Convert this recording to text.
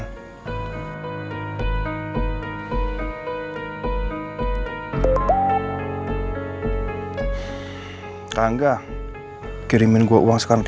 kak angga kirimin gue uang sekarang tiga puluh juta